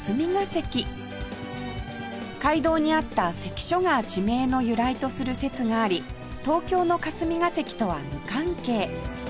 街道にあった関所が地名の由来とする説があり東京の霞ケ関とは無関係